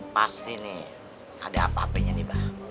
pasti nih ada apa apenya nih mbak